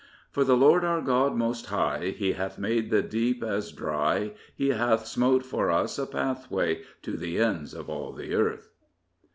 —} For the Lord our God most High vj; He hath made the deep as dry, ^ He hath smote for us a pathway to the ends of all the Earth.